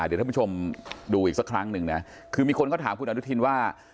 เดี๋ยวท่านผู้ชมดูอีกสักครั้งหนึ่งนะคือมีคนเขาถามคุณอนุทินว่า